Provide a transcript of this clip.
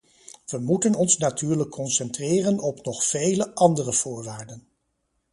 We moeten ons natuurlijk concentreren op nog vele andere voorwaarden.